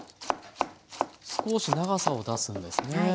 少し長さを出すんですね。